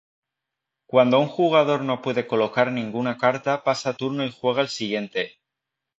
Cuando un jugador no puede colocar ninguna carta pasa turno y juega el siguiente.